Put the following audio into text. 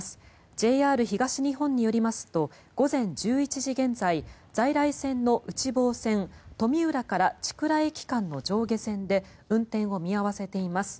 ＪＲ東日本によりますと午前１１時現在在来線の内房線富浦から千倉駅間の上下線で運転を見合わせています。